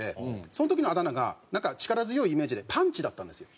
その時のあだ名がなんか力強いイメージで「パンチ」だったんですよ。